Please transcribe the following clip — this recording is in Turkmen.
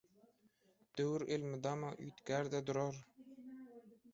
“Döwür elmydama üýtgär-de durar